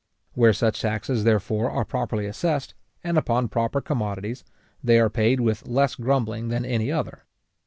Where such taxes, therefore, are properly assessed, and upon proper commodities, they are paid with less grumbling than any other.